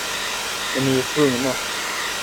Men ni är tvungna.